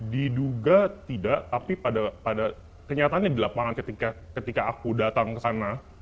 diduga tidak tapi pada kenyataannya di lapangan ketika aku datang ke sana